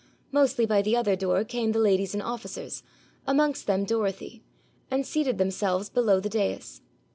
Mostly by the other door came the ladies and officers, amongst them Dorothy, and seated themselves below the dais.